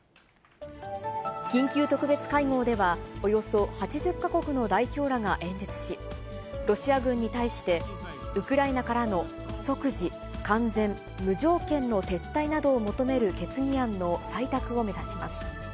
緊急特別会合では、およそ８０か国の代表らが演説し、ロシア軍に対して、ウクライナからの即時、完全、無条件の撤退などを求める決議案の採択を目指します。